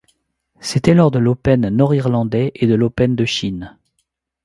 C'était lors de l'Open nord-irlandais et de l'Open de Chine.